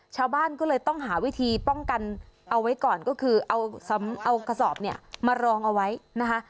ชาวบ้านก็เลยต้องหาวิธีป้องกันเอาไว้ก่อนก็คือเอากระสอบเนี่ยมารองเอาไว้นะคะ